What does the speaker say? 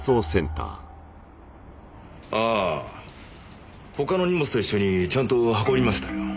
ああ他の荷物と一緒にちゃんと運びました。